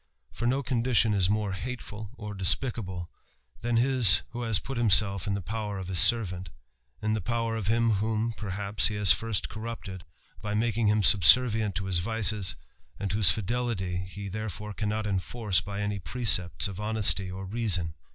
For no condition is more hateful or despicably than his who has put himself in the power of his servant; in the power of him whom, perhaps, he has first cornipteci by making him subservient to his vices, and whose fidelit| he therefore cannot enforce by any precepts of honesty o reason.